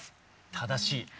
正しい！